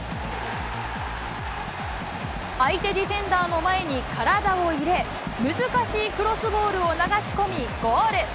相手ディフェンダーの前に体を入れ、難しいクロスボールを流し込み、ゴール。